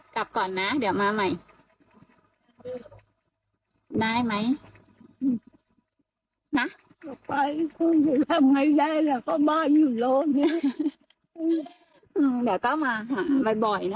จะไปอยู่ทำอย่างไรได้บ้านอยู่โรงเดี๋ยวก็มาหาบ่อยนะ